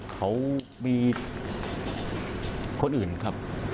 เขามีคนอื่นครับ